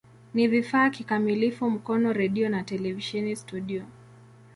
Ni vifaa kikamilifu Mkono redio na televisheni studio.